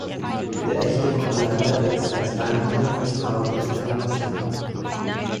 Der Echte Koriander wächst als einjährige krautige Pflanze.